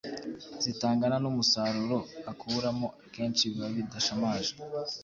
zitangana n'umusaruro akuramo, akenshi biba bidashamaje.